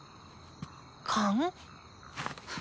かん？